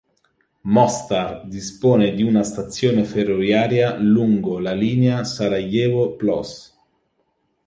Mostar dispone di una stazione ferroviaria lungo la linea Sarajevo–Ploče.